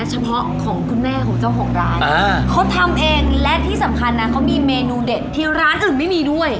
เฉพาะของคุณแม่จ้าหัวของร้าน